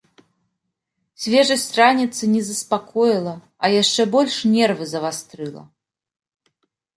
Свежасць раніцы не заспакоіла, а яшчэ больш нервы завастрыла.